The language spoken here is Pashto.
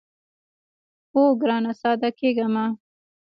اوو ګرانه ساده کېږه مه.